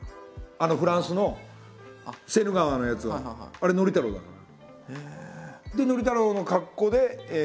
あのフランスの「セーヌ川」のやつはあれ憲太郎だから。